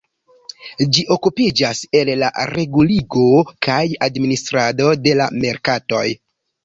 Ĝi okupiĝas el la reguligo kaj administrado de la merkatoj.